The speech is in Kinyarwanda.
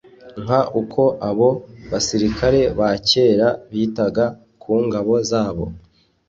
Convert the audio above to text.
nk uko abo basirikare ba kera bitaga ku ngabo zabo